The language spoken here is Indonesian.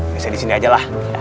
biasanya di sini aja lah